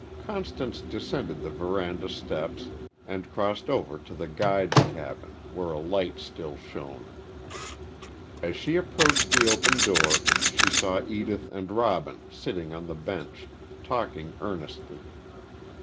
Constance descended the veranda steps and crossed over to the guides' cabin, where a light still shone. As she approached the open door she saw Edith and Robin sitting on the bench, talking earnestly.